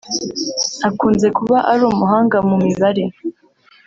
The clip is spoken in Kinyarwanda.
Akunze kuba ari umuhanga mu mibare